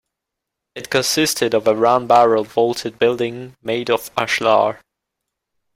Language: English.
It consisted of a round barrel-vaulted building made of ashlar.